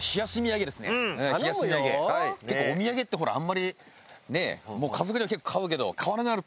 結構お土産ってほらあんまりね家族には結構買うけど買わなくなるっぺやだんだん。